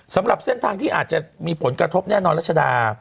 สำหรับเส้นทางที่อาจจะมีผลกระทบแน่นอนรัชดา